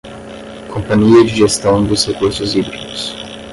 Companhia de Gestão dos Recursos Hídricos